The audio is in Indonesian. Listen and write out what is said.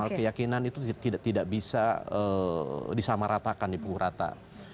jadi kita harus mencari penyelesaian yang tidak bisa disamaratakan di punggung rata